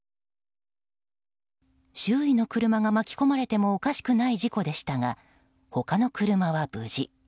周囲の車が巻き込まれてもおかしくない事故でしたが他の車は無事。